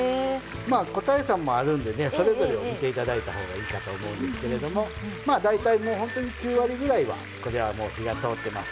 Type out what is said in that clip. まあ個体差もあるんでねそれぞれを見ていただいたほうがいいかと思うんですけれども大体もうほんとに９割ぐらいはこれはもう火が通ってます。